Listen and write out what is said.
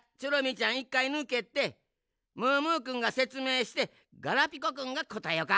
ちゃんいっかいぬけてムームーくんがせつめいしてガラピコくんがこたえよか。